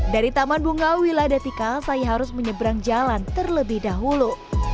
dari taman bunga wiladatika saya harus menyeberang jalan terlebih dahulu